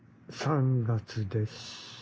３月です。